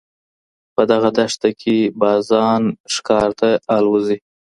په دغه دښته کي بازان ښکار ته البوځي.